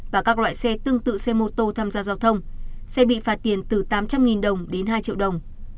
và các loại xe tương tự xe mô tô tham gia giao thông sẽ bị phạt tiền từ tám trăm linh đồng đến hai triệu đồng